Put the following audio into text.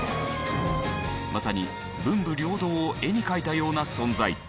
まさに文武両道を絵に描いたような存在。